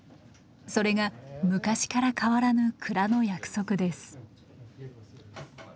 それが昔から変わらぬ蔵の約束です。